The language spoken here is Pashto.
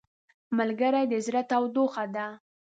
ملګری د زړه تودوخه ده